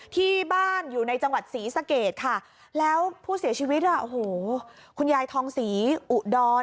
ที่บ้านอยู่ในจังหวัดศรีสะเกดค่ะแล้วผู้เสียชีวิตอ่ะโอ้โหคุณยายทองศรีอุดร